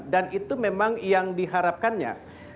dan itu memang yang diharapkannya